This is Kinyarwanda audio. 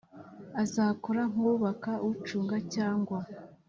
azakora nk uwubaka ucunga cyangwa